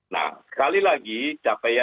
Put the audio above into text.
nah sekali lagi capaian